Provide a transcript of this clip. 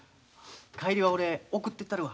帰りは俺送ってったるわ。